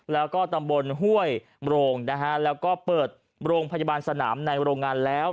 แล้วก็ตำบลห้วยโรงนะฮะแล้วก็เปิดโรงพยาบาลสนามในโรงงานแล้ว